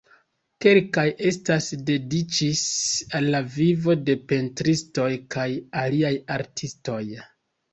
Kelkaj estas dediĉis al la vivo de pentristoj kaj aliaj artistoj.